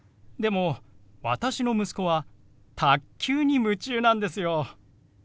でも私の息子は卓球に夢中なんですよ。